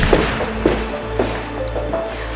untung kandaprabu tidak bisa ditemui malam ini